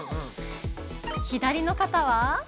左の方は？